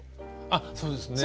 あっそうですね。